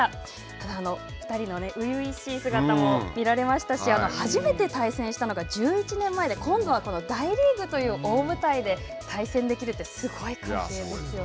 ただ、２人の初々しい姿も見られましたし、初めて対戦したのが、１１年前で、今度は大リーグという大舞台で対戦できるって、すごい関係ですよね。